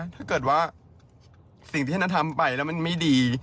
ถ้าเกิดว่าสิ่งที่ท่านทำไปแล้วมันไม่ดี